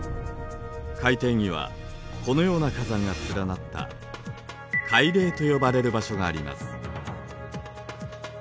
海底にはこのような火山が連なった「海嶺」と呼ばれる場所があります。